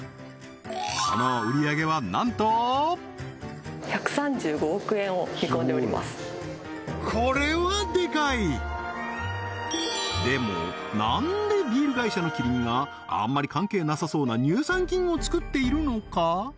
その売り上げはなんとこれはデカいでもなんでビール会社のキリンがあんまり関係なさそうな乳酸菌を作っているのか？